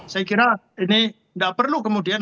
saya kira ini nggak perlu kemudian